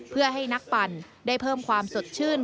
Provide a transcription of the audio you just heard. เพื่อให้นักปั่นได้เพิ่มความสดชื่น